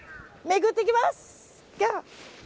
巡っていきます！